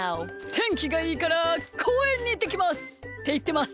「てんきがいいからこうえんにいってきます」っていってます。